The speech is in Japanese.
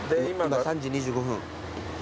今３時２５分。